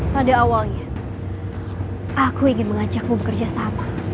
pada awalnya aku ingin mengajakmu bekerjasama